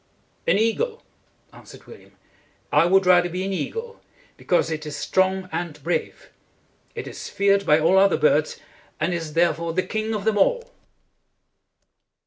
"An eagle," answered William. "I would rather be an eagle, because it is strong and brave. It is feared by all other birds, and is there fore the king of them all."